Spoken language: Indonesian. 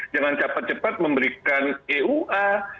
jangan cepat cepat memberikan eua